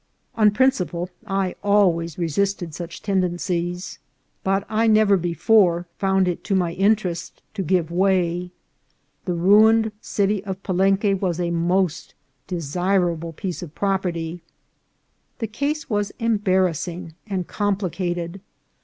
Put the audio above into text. On principle I always resisted AN EMBARRASSING CASE. 363 such tendencies, but I never before found it to my in terest to give way. The ruined city of Palenque was a most desirable piece of property. The case was embarrassing and complicated.